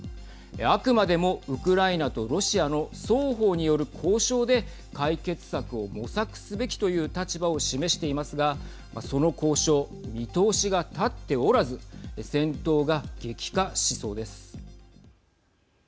あくまでもウクライナとロシアの双方による交渉で解決策を模索すべきという立場を示していますがその交渉、見通しが立っておらず戦闘が激化しそうです。